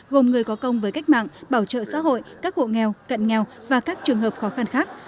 gồm người có công với cách mạng bảo trợ xã hội các hộ nghèo cận nghèo và các trường hợp khó khăn khác